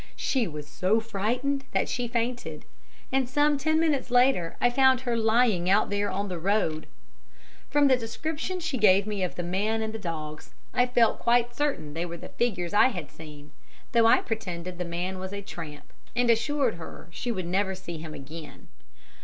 She was so frightened that she fainted, and some ten minutes later I found her lying out there on the road. From the description she gave me of the man and dogs, I felt quite certain they were the figures I had seen; though I pretended the man was a tramp, and assured her she would never see him again.